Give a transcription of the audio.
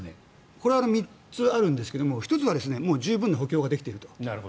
これは３つあるんですが１つは十分な補強ができていると。